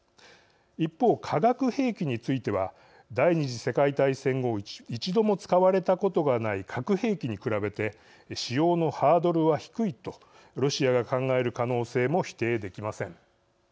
一方、化学兵器については第二次世界大戦後一度も使われたことがない核兵器に比べて使用のハードルは低いとロシアが考える可能性も否定できません。